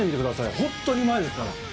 本当にうまいですから。